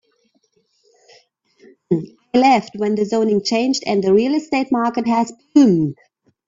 I left when the zoning changed and the real estate market has boomed.